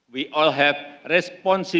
kita semua bertanggung jawab